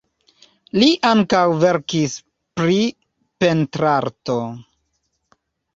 Li ankaŭ verkis pri pentrarto.